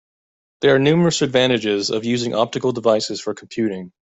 There are numerous advantages of using optical devices for computing.